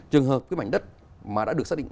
trường hợp cái mảnh đất mà đã được xác định